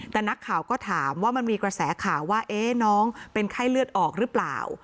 แต่นักข่าวก็ถามว่ามันมีกระแสข่าวว่าน้องเป็นไข้เลือดออกหรือเปล่า